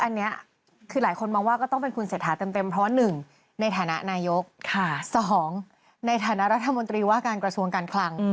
อันนี้คือหลายคนมองว่าก็ต้องเป็นคุณเศรษฐาเต็มเพราะว่า๑ในฐานะนายก๒ในฐานะรัฐมนตรีว่าการกระทรวงการคลัง